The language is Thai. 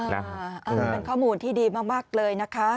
เป็นข้อมูลที่ดีมากเลยนะคะ